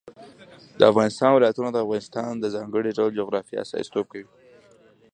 د افغانستان ولايتونه د افغانستان د ځانګړي ډول جغرافیه استازیتوب کوي.